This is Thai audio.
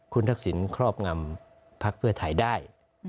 คุณทักษิณครอบงำพักเพื่อไทยได้